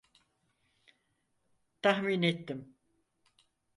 Tahmin ettim.